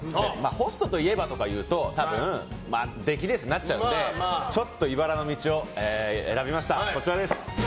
ホストといえばとかいうと多分出来レースになっちゃうのでちょっといばらの道を選びました。